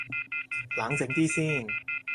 冷靜啲先